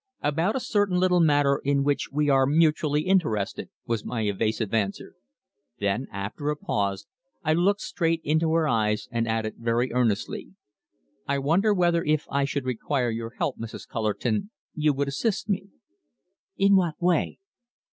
"About a certain little matter in which we are mutually interested," was my evasive answer. Then, after a pause, I looked straight into her eyes, and added very earnestly: "I wonder whether if I should require your help, Mrs. Cullerton, you would assist me?" "In what way?"